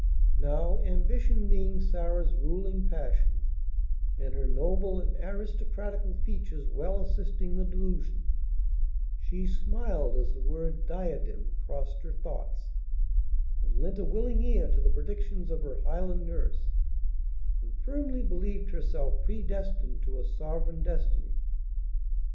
Now, ambition being Sarah's ruling passion, and her noble and aristocratical features well assisting the delusion, she smiled as the word "diadem" crossed her thoughts, and lent a willing ear to the predictions of her Highland nurse, and firmly believed herself predestined to a sovereign destiny.